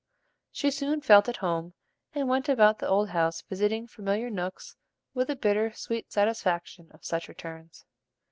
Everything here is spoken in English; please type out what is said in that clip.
She soon felt at home, and went about the old house visiting familiar nooks with the bitter, sweet satisfaction of such returns.